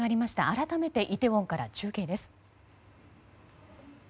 改めてイテウォンから中継です。